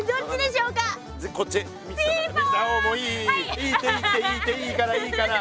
いいっていいっていいっていいからいいから！